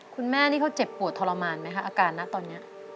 คุณแม่นี่เขาเจ็บปวดทรมานไหมคะอาการนะตอนนี้